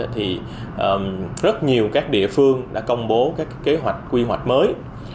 thì rất nhiều các địa phương đã công bố các kế hoạch quy hoạch mới